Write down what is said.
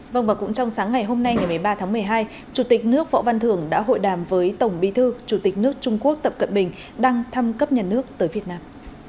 vâng và cũng trong sáng ngày hôm nay ngày một mươi ba tháng một mươi hai chủ tịch nước võ văn thưởng đã hội đàm với tổng bí thư chủ tịch nước trung quốc tập cận bình đang thăm cấp nhà nước tới việt nam